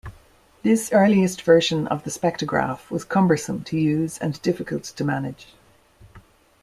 This earliest version of the spectrograph was cumbersome to use and difficult to manage.